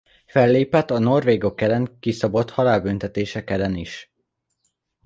Fellépett a norvégok ellen kiszabott halálbüntetések ellen is.